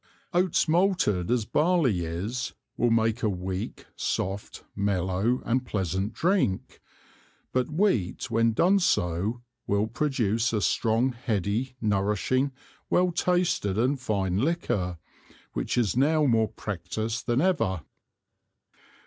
Oats malted as Barley is, will make a weak, soft, mellow and pleasant Drink, but Wheat when done so, will produce a strong heady nourishing well tasted and fine Liquor, which is now more practised then ever.